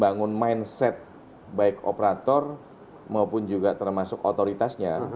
membangun mindset baik operator maupun juga termasuk otoritasnya